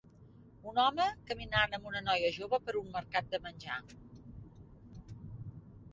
Un home caminant amb una noia jove per un mercat de menjar.